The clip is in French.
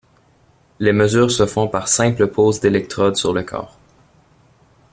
Les mesures se font par simple pose d'électrodes sur le corps.